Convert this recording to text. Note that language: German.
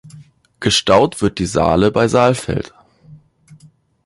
Gestaut wird die Saale bei Saalfeld.